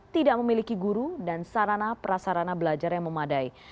tidak memiliki guru dan sarana prasarana belajar yang memadai